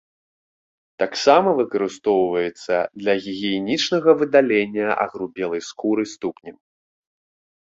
Таксама выкарыстоўваецца для гігіенічнага выдалення агрубелай скуры ступняў.